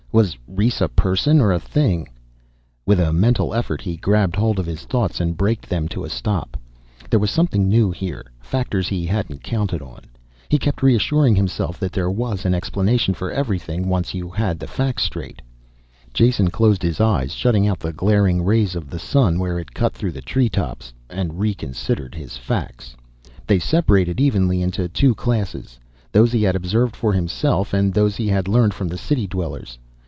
Was Rhes a person or a thing? With a mental effort he grabbed hold of his thoughts and braked them to a stop. There was something new here, factors he hadn't counted on. He kept reassuring himself there was an explanation for everything, once you had your facts straight. Jason closed his eyes, shutting out the glaring rays of the sun where it cut through the tree tops, and reconsidered his facts. They separated evenly into two classes; those he had observed for himself, and those he had learned from the city dwellers.